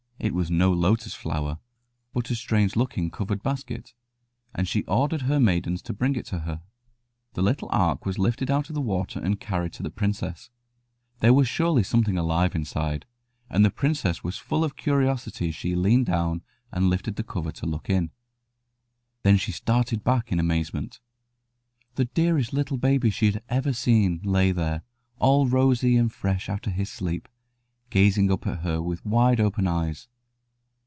It was no lotus flower, but a strange looking covered basket, and she ordered her maidens to bring it to her. The little ark was lifted out of the water and carried to the princess. There was surely something alive inside, and the princess was full of curiosity as she leaned down and lifted the cover to look in. Then she started back in amazement. The dearest little baby she had ever seen lay there, all rosy and fresh after his sleep, gazing up at her with wide open eyes.